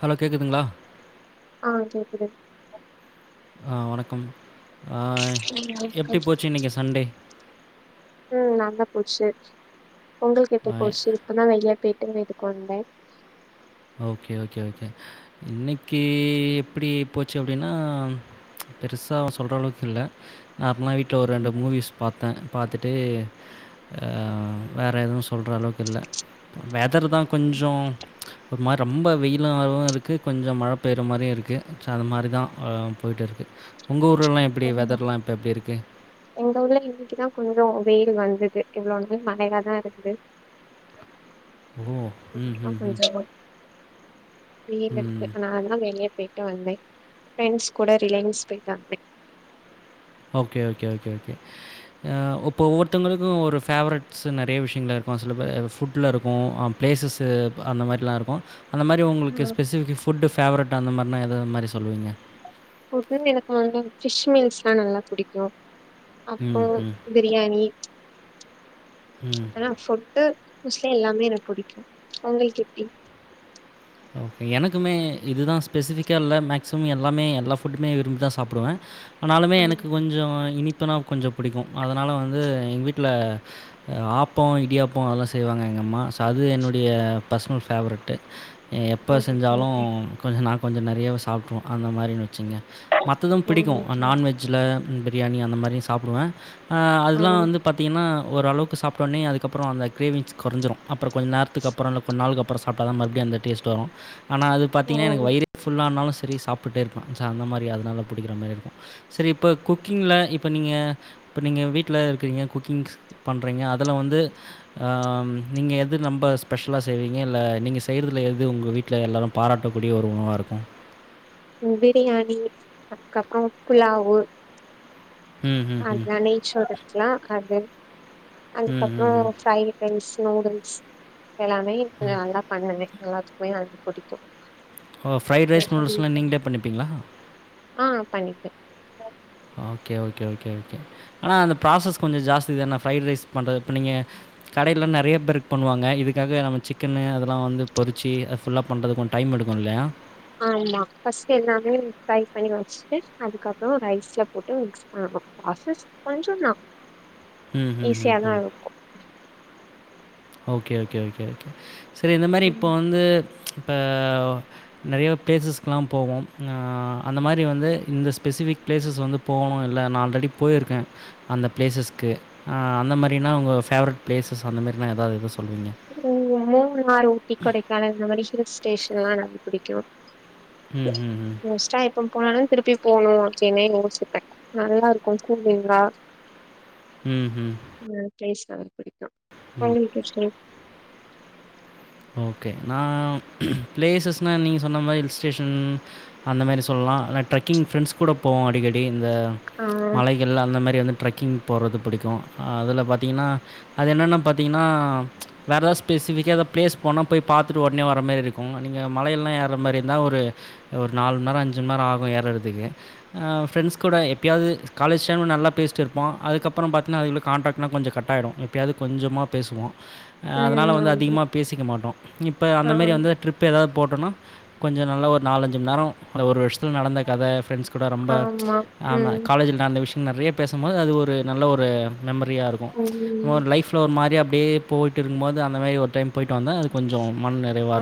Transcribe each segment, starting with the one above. Hello கேக்குதுங்ளா ஆ கேக்குது ஆ வணக்கம் ஆ ம் எப்டி வணக்கம் போச்சு இன்னைக்கு சண்டே ம் நல்லா போச்சு உங்களுக் எப்டி ஆ, போச்சு இப்பதா வெளிய பேயிட்டு வீட்டுக்கு வந்தே ஓகே ஓகே ஓகே இன்னைக்கு எப்படி போச்சு அப்டின்னா பெருசா சொல்ற அளவுக்கு இல்ல நார்மலா வீட்ல ஒரு ரெண்டு ம் மூவிஸ் பாத்த பாத்துட்டு அ வேற எதுவு சொல்ற அளவுக்கு இல்ல வெதர்தா கொஞ்சோ ஒரு மாரி ரொம்ப வெயில் ஆவு இருக்கு கொஞ்ச மழ பேயற மாரியு இருக்கு சோ அது மாரிதா ஆ போய்ட்ருக்கு உங்க ஊர் ஓ எங்க ஊர்ல இன்னைக்குதா கொஞ்ச வெயில் வந்துது இவ்ளோ நேர மழையாதா இருந்துது ஓ ம் இன்னைக்குதா ம் கொஞ்சமா வெயில் ம் இருக்கு ம் அதனாலதா வெளிய போய்ட்டு வந்தே ஃபரெண்ட்ஸ் கூட ரிலையன்ஸ் பேய்ட்டு வந்தே ஓகே ஓகே ஓகே ஓகே இப்போ ஒவ்வொருத்தவங்களுக்கு ஒரு ஃபேவரட்ஸு நெறைய விஷயங்கள் இருக்கு சில பே ஃபுட்ல இருக்கு ப்ளேஸஸு அந்த மாரிலா இருக்கு அந்த மாரி உங்களுக்கு ம் ஸ்பெசிஃபிக் ஃபுட் ஃபேவரட் அந்த மாரினா எதது மாரி சொல்விங்க ஃபுட்டுன் எனக்கு வந்து ஃபிஷ் மீல்ஸ்லா நல்லா பிடிக்கு அப்பொ ம், ம், பிரியாணி ம். ஆனா ஃபுட்டு மோஸ்ட்லி எல்லாமே எனக்கு புடிக்கு உங்களுக் எப்டி ஓகே எனக்குமே இது தான் ஸ்பெசிஃபிக்கா இல்ல மேக்ஸிமம் எல்லாமே எல்லா ஃபுட்டுமே விரும்பி தான் சாப்டுவே ஆனாலுமே ஆ எனக்கு கொஞ்சம் இனிப் புனா கொஞ்சோ புடிக்கும் அதுனால வந்து எங்க வீட்ல ஆப்பொ இடியாப்பொ அதல்லாம் செய்வாங்க எங்க அம்மா சோ அது என்னுடைய பர்சனல் ஃபேவரட்டு எப்போ ஓகே செஞ்சாலும் ஓகே கொஞ்சோ நா கொஞ்சோ நெறயாவே சாப்ட்றுவோ அந்த மாதிரி வச்சுக்கங்க மத்ததும் ஓ பிடிக்கும் ஓகே நான்வெஜ்ல பிரியாணி அந்த மாரியம் சாப்டுவேன் அஹ் ஆ அதுலா வந்து பாத்தீங்கன்னா ஒரு அளவுக் சாப்ட்டோனே அதுக்கப்புறோ அந்த கிரேவிங்ஸ் கொறஞ்சுரம் அப்புறம் கொஞ்ச நேரத்துக்குப்புறோ இல்ல கொஞ்ச நாளுக்கு அப்புறோ சாப்ட்டாத்த மறுபடியு அந்த டேஸ்ட் டு வரும் ஆனா அது பாத்தங்கன்னா ஓ எனக்கு வயரே ஃபுல்லானாலும் சரி சாப்டுட்டே இருப்பே ச அந்த மாரி அதுனால புடிக்கிற மாரி இருக்கும் சரி இப்போ குக்கிங்ல இப்ப நீங்க இப்ப நீங்க வீட்ல இருக்கிறீங்க குக்கிங்ஸ் பண்ணுறீங்க அதுல வந்து ஆஹ் நீங்க எது ரொம்ப ஸ்பெஷலா செய்வீங்க இல்ல நீங்க செய்றதுல எது எது உங்க வீட்ல எல்லாரும் பாராட்டக்கூடிய ஒரு உணவா இருக்கும் பிரியாணி அதுக்கப்புறம் புலாவு ம், ம், ம். அதா நெய் சோறு இருக்கலாம் அது ம், ம், ம். அதுக்கப்புறம் ஃப்ரைட் ரைஸ் நூடுல்ஸ் எல்லாமே இப்ப நல்லா பண்ணுவே எல்லாத்துக்குமே அது புடிக்கும் ஓ ஃப்ரைட் ரைஸ் நூடுல்ஸ்லாம் நீங்களே பண்ணிப்பீங்களா ஆ [inaudible] ஓகே ஓகே ஓகே ஓகே ஆனா அந்த ப்ராசஸ் கொஞ்சோ ஜாஸ்திதான ஃப்ரைட் ரைஸ் பண்றது இப்ப நீங்க கடைல்லா நெறய பேர்க் பண்ணுவாங்க இதுக்காக நம்ம சிக்கன்னு அதுல்லா வந்து பொறுச்சி அது ஃபுல்லா பண்றதுக் கொஞ்ச டைம் எடுக்கு இல்லயா ஆமா பஸ்ட் எல்லாமே ஃப்ரை பண்ணி வச்சுட்டு அதுக்கப்ரோ ரைஸ்ல போட்டு மிக்ஸ் பண்ணணு ப்ராசஸ் கொஞ்சோதா ம் ஹும் ஹும் ஹும் ஓகே ஓகே ஓகே ஓகே சரி இந்த மாரி இப்ப ம் வந்து இப்ப நெறயா ப்ளேஸஸ்க்கெல்லா போவோ ஆஹ் அந்த மாரி வந்து இந்த ஸ்பெசிஃபிக் ப்ளேஸஸ் வந்து போணு இல்ல நா ஆல்ரெடி போயிருக்கே அந்த ப்ளேஸஸ்க்கு அந்த மாரின்னா உங்க ஃபேவரெட் ப்ளேஸஸ் அந்தமாரி மே எதாது இருந்தா சொ ம் ஒரே ஒரு நாள் டி கொடைக்கானல் அந்த மாரி ஹில் ஸ்டேஷன்ல்லா ரொம்ப பிடிக்கு ம்ஹ்ஹ்ம். நெக்ஸ்டா எப்போ போனாலு திருப்பி போணு சென்னைன் யோசிப்பே நல்லா இருக்கு கூலிங்கா ம்ஹ்ம். அந்த ப்ளேஸ் [inaudible] [inaudible] ஓகே நா ப்ளேஸஸ்னா நீங்க சொன்ன மார் ஹில் ஸ்டேஷன் அந்த மாரி சொல்லா ஆனா ட்ரக்கிங் ஃப்ரெண்ட்ஸ் கூட போவோ அடிக்க டி இந்த ஆ மலைகள் அந்த மாரி வந்து ட்ரக்கிங் போறது புடிக்கு அதுல பாத்தீங்னா அது என்னென்னா பாத்தீங்னா வேற எதாவ் ஸ்பெசிஃபிகா எத ப்ளேஸ் போனா போய் பாத்துட்டு ஒட்னே வர மாரி இருக்கு நீங்க மலையெல்லா ஏர்ற மாரி இருந்தா ஒரு ஒரு நாலு மண்நேரோ அஞ்சு மண்நேரோ ஆகு ஏறர்துக்கே ஆ ஃப்ரெண்ட்ஸ் கூட எப்பயாவ்து காலேஜ் டைம்ல நல்லா பேசிட்ருப்போ அதுக்கப்பறம் பாத்தீங்னா அது உள்ள கான்டாக்ட்லா கொஞ்சொ கட்டாய்டு எப்பயாவ்து கொஞ்சமா பேஸுவோ ஆ அதனால வந்து ம் ஆமா அதிகமா பேசிக்க மாட்டோ இப்ப அந்த ஆ மேரி வந்து ட்ரிப் ஏதாவ் போட்டோனா கொஞ்சோ நல்லா ஒரு நாலஞ்சு மண் நேரோ அந்த ஒரு வர்ஷத்ல நடந்த கத ஃப்ரெண்ட்ஸ் கூட ரொம்ப ஆமா ஆமா ம் காலேஜ்ல நடந்த விஷ் நறைய பேசும் போது அது ஒரு நல்ல ஒரு மெமரியா இருக்கு நம்ம ம் ஒரு லைஃப்ல ஒரு மாரியா அப்டே போய்ட்டு இருக்கம் போது அந்த மேரி ஒர் டைம் போயிட்டு வந்தா அது கொஞ்சோ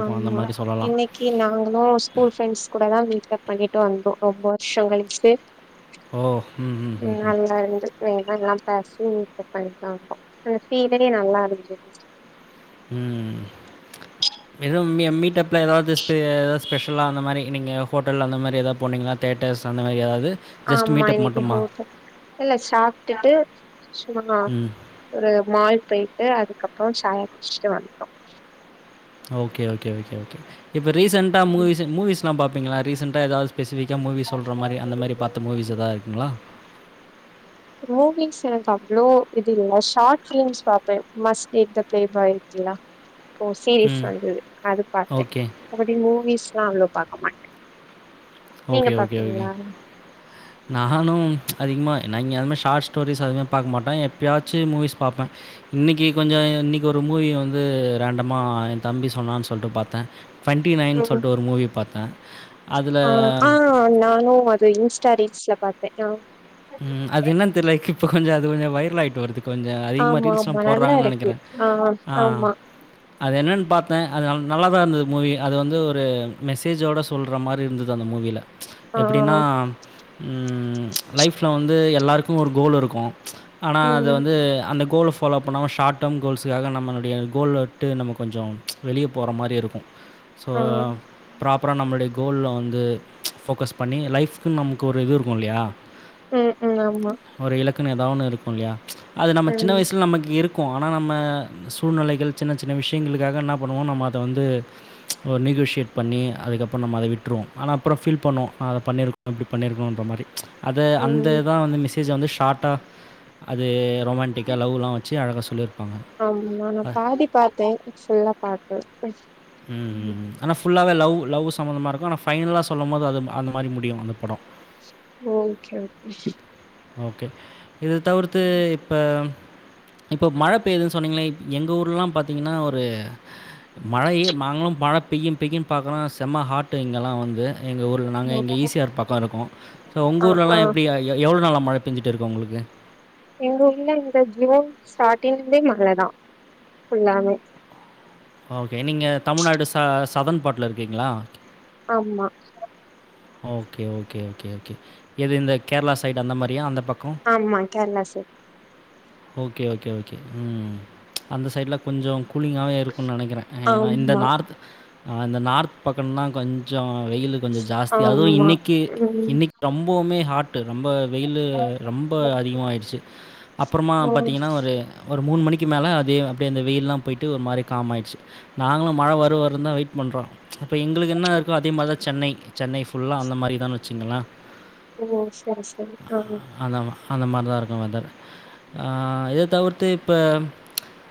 ஆமா இன்னிக்கி நாங்களு ஸ்கூல் ஃப்ரெண்ட்ஸ் கூடதா மீட்டப் பண்ணி ட்டு வந்தோ ரொம்ப வர்ஷோ கழிச்சு ஓ ம் ம் ம் நல்லாருந்து [unintelligible] எல்லாம் பேசி பண்ணிட் தா இருந்தோ அந்த ஃபீலே நல்லாருந்து ம் எதுவு மீ மீட்டப்ல ஏதாவ்து ஸ்பெ எதாவ்து ஸ்பெஷல்லா அந்த மாரி நீங்க ஹோட்டல் அந்த மாரி எதாவ் போனீங்ளா தேட்டர்ஸ் அந்த மாரி எதாவ்து ஆமா இன்னக்கி ஹோட்ட இல்ல சாப்ட்டுட்டு சும்மா ம். ஒரு மால் போய்ட்டு அதுக்கப் றோ சாயா குடிச்சிட்டு வன்ட்டோ ஓகே ஓகே ஓகே ஓகே இப்ப ரீசன்ண்டா மூவிஸ்ச மூவிஸ் பா பாப்பீங்களா ரீசன்ண்டா ஏதாது ஸ்பெசிஃபிக்கா மூவிஸ் சொல்ற மாரி அந்த மாரி பாத்த மூவிஸ் ஏதா இருக்குங்ளா மூவிஸ் எனக்கு அவ்வளோ இது இல்ல ஷார்ட் பிலிம்ஸ் பாப்பே must take the play boy இருக்குல்லா இப்போ சீரீஸ் ம். வந்தது அது பாத்த ஓகே. அப்டி மூவிஸ்ல்லா அவ்வளோ பாக்க மாட்ட ஓகே ஓகே ஓகே நானு அதிகமா ஆனா இங்க அதுமே ஷார்ட் ஸ்டோரிஸ் அதுமே பாக்க மாட்ட எப்பயாச்சு மூவீஸ் பாப்பே இன்னிக்கு கொஞ்சோ இன்னிக்கி ஒரு மூவி வந்து ரண்டமா எ தம்பி சொன்னான் சொல்ட்டு பாத்த டுவெண்ட்டி நைன் ம் சொல்ட்டு ஒரு மூவி பாத்த அதில் ஆ ஆ நானு அதை இன்ஸ்டா ரீல்ஸ்ல பாத்த ஆ ம் அது என்னன் தெர்ல க் இப்ப கொஞ்சோ அது கொஞ்சோ வைரல் ஆய்ட்டு வருது கொஞ்சோ அதிகமா ஆமா ரீல்ஸ் ஆ ஆமா நல்லா போடுறாங்கன் இருக்கு நெனைக்கிற ஆ ஆமா அது என்னன் பாத்த அது நல்லா தா இருந்தது மூவி அது வந்து ஒரு மெசேஜோட சொல்ற மாரி இருந்தது அந்த மூவில ஆ எப்படின்னா ம் லைஃப்ல் வந்து எல்லாருக்கும் ஒரு கோல் இருக்கும் ஆனா அது ம் வந்து அந்த கோல்ஃப் ஃபாலோ பண்ணாம ஷார்ட் டேம் கோல்ஸு்காக நம்மளுடைய கோல் விட்டு நம்ம கொஞ்சம் வெளியே போகிற மாரி இருக்கும் சோ ஆ ப்ராப்பரா நம்மளுடைய கோல்ல வந்து ஃபோக்கஸ் பண்ணி லைஃபு நமக்கு ஒரு இது இருக்கும் இல்லையா ம் ம் ஆமா ஒரு இலக்கு ந எதா ஒன்னு இருக்கும் இல்லையா அது நம்ம சின்ன ம் வயசில் நமக்கு இருக்கு இருக்கும் ஆனால் நம்ம சூழ்நிலைகள் சின்ன சின்ன விஷயங்களுக்காக என்ன பண்ணுவோம் நம்ம அதை வந்து ஒரு நெிகோஷியேட் பண்ணி அதுக்கப்புறம் நம்ம அதை விட்டுருவோம் ஆனால் அப்புறம் ஃபீல் பண்ணுவோம் நான் அதை பண்ணியிருக்கோம் இப்படி பண்ணியிருக்கணுன்ற மாரி அது அந்த ம் தான் வந்து மெசேஜ் வந்து ஷார்ட் ட்டா அது ரொமண்டிக்கா லவ்லாம் வச்ச அழக ஆமா நான் பாதி பார்த்தேன் புல்லா பாக்கல ஆனால் ஃபுல்லாகவே லவ் லவ் சம்மந்தமாக இருக்கும் ஆனால் ஃபைனலா சொல்லும்போது அது அந்த மாதிரி முடியும் அந்த படம் ஓகே ஓகே ஓகே இது தவிர்த்து இப்ப இப்போ மழை பெய்யுதுன்னு சொன்னீங்கன் எங்க ஊர்லாம் பார்த்தீங்கன்னா ஒரு மழையேய் மாங்களும் மழ பெயும் பெய்யின்னு பார்க்கரோ செம்மா ஹாட்டு இங்கேல்லாம் வந்து எங்க ஊரல நாங்கள் இங்கே ஈஸியார் பக்கம் இருக்கோம் சோ உங்க ஆ ஊர் ஆ எல்லாம் எப்படி எவ்வளவு நாள மழை பெஞ்சிட்டு இருக்கு உங்களுக்கு எங்க ஊர்ல இந்த ஜூன் ஸ்டாரிங்கே மழதான் ஃபுல்லாவே ஓகே நீங்க தமிழ்நாடு ச சதன் பாட்ல இருக்கீங்களா ஆமா ஓகே ஓகே ஓகே ஓகே எது இந்த கேரளா சைட் அந்த மாரியா அந்த ப ஆமா Kerala side okay okay okay ம் அந்த சைட்ல கொஞ்சம் கூலிங்காகவே இருக்கும்ன்னு நினைக்கிறேன் ஏன்னா இந்த ஆமா நார்த் இந்தந்த நார்த் பக்கம்னால் கொஞ்சம் வெயில் கொஞ்சம் ஜாஸ்தி அதுவும் ஆமா இன்னைக்கு ம் இன்னைக்கு ரொம்பவுமே ஹாட்டு ரொம்ப வெயிலு ரொம்ப அதிகமாயிடுச்சு அப் மா ஓ பாத்தீங்கன்னா ஒரு ஒரு மூணு மணிக்கு மேல அதி அப்டியா அந்த வெயில்லா போயிட்டு ஒரு மாரி காம் ஆயிடுச்சு நாங்களு மழ வரு வருந்தா வெயிட் பண்ணுறோம் இப்போ எங்களுக்கு என்ன இருக்குமோ அதே மாரிதா சென்னை சென்னை ஃபுல்லா அந்த மாரி தான்னு வச்சுங்களே ஓ செரி சீரி ஆ அந்த மாரிதா இருக்கும் வெதர் ஆ இத தவிர்த்து இப்ப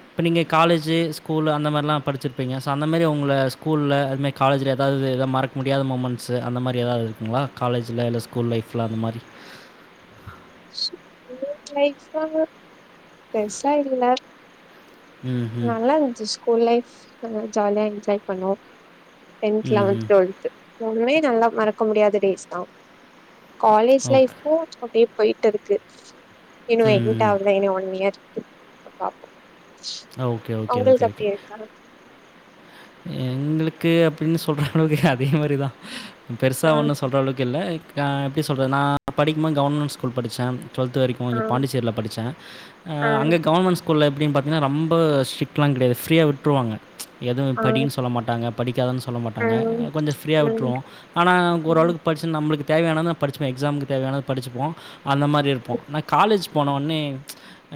இப்ப நீங்க காலேஜு ஸ்கூலு அந்த மாரிலா படிச்சுருப்பீங்க சோ அந்த மாரி உங்கள ஸ்கூல்ல அது மாரி காலேஜுல எதாவது எதாது மறக்க முடியாத மூமெண்ட்ஸு அந்த மாரி எதாவது இருக்குங்களா காலேஜுல இல்ல ஸ்கூல் லைஃப்ல அந்த மாரி லைப்லா பெருசா இல்ல ம் ம் நல்லா இருந்துச்சு ஸ்கூல் லைஃப் ஆ ஜாலியா என்ஜாய் பண்ணோ டென்த் ம் லெவன்த் ம் டு்வெல்த் மூணுமே நல்லா மறக்க முடியாத டேஸ்தா காலேஜ் ஓகே லைஃப் அப்டி போயிட்டு இருக்கு இன்னு ம் என்ட் ம் ஆகுல இன்னு ஒன் இயர் பாப்போ ஓகே ஓகே ஓகே உங்களுக்கு ஓகே அப்டி இருக்கா எங்களுக்கு அப்டின்னு சொல்ற அளவுக்கு அதே மாரிதா பெருசா ஆ ஒன்னு சொல்ற அளவுக்கு இல்ல இக் கா எப்டி சொல்றது நா படிக்கும்போது கெவர்மெண்ட் ஸ்கூல் படுச்சே டுவெல்த் வரைக்கு ஆ இங்க பாண்டிச்சேரியில படிச்சே ஆ அங்க கெவர்மெண்ட் ஸ்கூல்ல எப்டின்னு பாத் ஏன்னா ரொம்ப ஸ்ரிட்லா கெடையாது ஃப்ரீயா விட்டுருவாங்க எதுவு ஆ படின்னு சொல்ல மாட்டாங்க படிக்காதனு சொல்ல ஆ மாட்டாங்க கொஞ்சோ ஃப்ரீயா ம் விட்டுருவோ ஆனால் ம் ஓரளவுக்கு படிச்சு நம்மளுக்கு தேவையானதா நா படிச்சுப்பே எக்ஸாம்க்கு தேவையானத படிச்சுப்போ அந்த மாரி ம் இருப்போம் ஆனா காலேஜ் போனோன்னே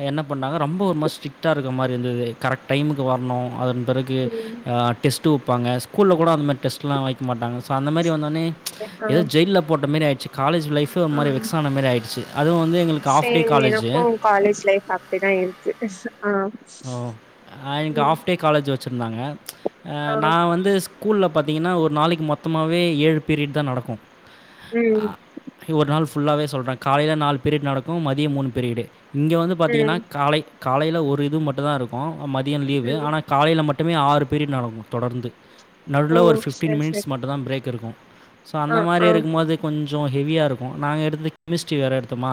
என்ன பண்ணாங்க ரொம்ப ஒரு மாரி ஸ்ட்ரிக்டா இருக்க மாரி இருந்துது கரெக்ட் டைமுக்கு வரணு அதுப் வரக்கு ம் ஆ டெஸ்ட்டு வப்பாங்க ஸ்கூல கூட அந்த மாரி டெஸ்ட்லா வைக்க மாட்டாங்க சோ அந்த மாரி வந் ன்னே ஆ எதாவது ஜெயில்ல போட்ட மாரி ஆயிடுச்சு காலேஜ் லைஃபு ஒரு ஆ மாரி வெக்ஸ் ஆன மாரி ஆயிடுச்சு அதுவு வந்து எங்களுக்கு ஆஃப் டே சேம் காலேஜு எனக்கு காலேஜ் லைஃப் அப்டிதா இருக்கு ஆ ஓ ஆ எனக்கு ம் ஆஃப்டே காலேஜ் செஞ்சி வச்சிருந்தாங்க ஆ நா வந்து ஸ்கூல்ல பாத்திங்கன்னா ஒரு நாளைக்கு மொத்தமாவே ஏழு பீரியட் தா நடக்கு ம் அ ஒரு நாள் ஃபுல்லாகவே சொல்றே காலையி நால பீரியடு நடக்கு மதியோ மூணுபீரிடு இங்க வந்து பாத்தீங்கன்னா ம் காலை காலையில ஒரு இது மட்டு தா இருக்கு மதியோ லீவ்வு ம் ஆனா காலையில மட் மட்டுமே ஆறு பீரியட் நடக்கு தொடர்ந்து ஓ நடுவுல ஒரு ஃபிப்டீன் சரி மினிட்ஸ் சரி மட்டுதா பிரேக் இருக்கு சோ ஆ அந்த மாரி ஆ இருக்குமோது கொஞ்சு கொஞ்சு ஹெவியா இருக்கு நாங்க எடுத்தது கெமிஸ்ட்ரி வேற எடுத்தோமா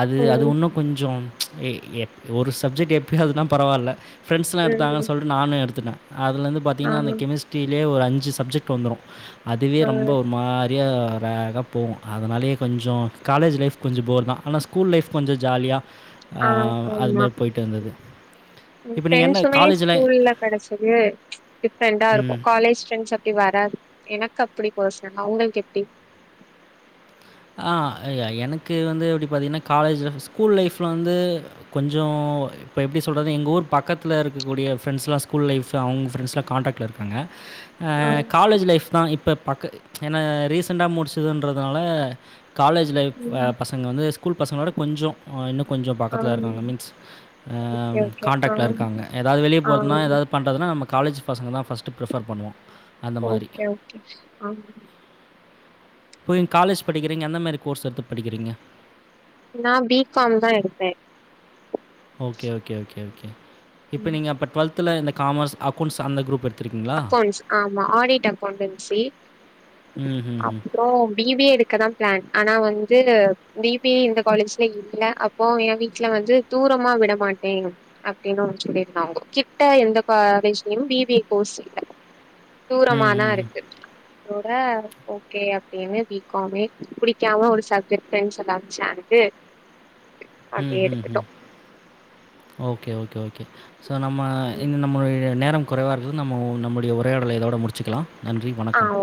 அது அது ம் ஒன்னு கொஞ்சு ம்ச் ஏ எப் ஒரு சப்ஜெக்ட் எப் அப்பயாவதுனா பரவால ப்ரெண்ட்ஸ்லா எடுத்தாங்கன்னு ம் சொல்லிட்டு நானு எடுத்துட்ட அதுலந்து ஆ பாத்தீங்கன்னா அந்த கெமிஸ்ட்ரியிலேயே ஒரு அஞ்சு அஞ்சு சப்ஜெக்ட் வந்துரு அதுவே ஆ ரொம்ப ஒரு மாரியா வேகா போகு அதனாலயே கொஞ்சு காலேஜ் லைஃப் கொஞ்சோ போர் தா ஆனா ஸ்கூல் லைஃப் கொஞ்சு ஜாலியா ஆ அது மாரி போயிட்டு இருந்தது இப்போ நீங்கள் என்ன ஃப்ரெண்ட்ஸுமே காலேஜில் ஸ்கூல்ல கிடைச்சது ம்ச் டிஃப்ரெண்டா ம் இருக்கு காலேஜ் ப்ரெண்ட்ஸ் அப்டி வராது எனக்கு அப் அப்படி பேர்ஸ்னல்லா உங்களுக்கு எப்டி அ எனக்கு வந்து எப்டி பாத்தீங்கன்னா காலேஜ் லைஃப் ஸ்கூல் லைஃப்ல வந்து கொஞ்சு இப்போ எப்டி சொல்றது எங்க ஊர் பக்கத்தில இருக்கூடிய ஃப்ரெண்ட்ஸ்லா ஸ்கூல் லைஃப் அவங்க ஃப்ரெண்ட்ஸ்லா கான்டாக்ட்ல இருக்காங்க ஆ காலேஜ் லைஃப் தா இப்ப பக்க என்ன ரீசெண்ட்டா முடிச்சிதுன்றதுனால காலேஜ் லைஃப் அ ம் பசங்க வந்து ஸ்கூல் பசங்களோட கொஞ்சு அ இன்னு கொஞ்சு ஆ பக்கத்துல இருக்காங்க மீன்ஸ் அ ஓகே ஓகே ஆ கான்டாக்ட்ல இருக்காங்க எதாவது வெளியே ஆ போறதுன்னா எதாவது பண்ணண்றதுனா நம் காலேஜ் பசங்க தா ஃபஸ்ட்டு் ஃப்ரிஃபர் பண்ணுவோ ஓக்கே ஓக்கே ஆ போயி காலேஜ் படிக்கிறீங்க எந்த மாரி கோர்ஸ் எடுத்து படிக்கிறீங்க நா பி காம் தா எடுப்பே ஓகே, ஓகே, ஓகே, ஓகே. இப்ப நீங்க அப்ப டுவெல்த் துல இந்த காமர்ஸ் அக்கௌண்ட்ஸ் அந்த குரூப் எடு அக்கௌண்ட்ஸ் ஆமா ஆடிட் அக்கௌண்டன்சி ம்ஹ்ஹ்ம். அப்ற பி பி ஏ எடுக்கதா பிளான் ஆனா வந்து பி பி ஏ இந்த காலேஜ்ல இல்ல அப்போ எ வீட்ல வந்து தூரமா விட மாட்டே அப்டின்னு ஒரு சொல்லிருந்தாங்கோ கிட்ட எந்த காலேஜ்லயு பி பி ஏ கோர்ஸ் தூரமாதா ம்ஹ்ஹ்ம். இருக்கு அதோட ஓகே அப்டினு பி காமே புடிக்காம ஒரு சப்ஜெக்ட் [unintelligible] ம் அப்டியே ம் எடுத்துட்டோ ம் ஓகே ஓகே ஓகே ஸோ நம்ம இன்ன நம்மளுடைய நேரம் குறைவாருக்க நம்மோ நம்ளுடைய உரையாடலை இதோட முடிச்சுக்கலா நன்றி ஆ வணக்கம் ஓ